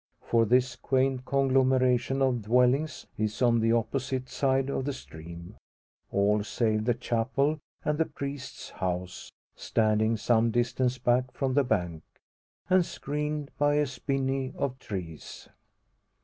For this quaint conglomeration of dwellings is on the opposite side of the stream; all save the chapel, and the priest's house, standing some distance back from the bank, and screened by a spinney of trees.